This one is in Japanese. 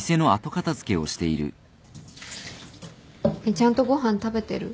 ちゃんとご飯食べてる？